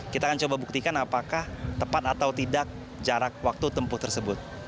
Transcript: kita akan coba buktikan apakah tepat atau tidak jarak waktu tempuh tersebut